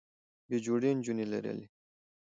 بې جوړې نجونې لرلې